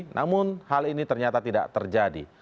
namun hal ini ternyata tidak terjadi